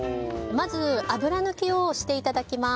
まず油抜きをして頂きます。